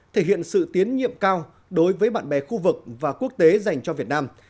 thể hiện sự tiến nhiệm cao đối với bạn bè khu vực và quốc tế dành cho việt nam